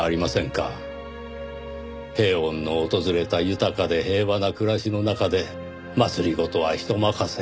平穏の訪れた豊かで平和な暮らしの中で政は人任せ。